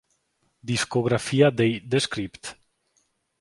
Discografia dei The Script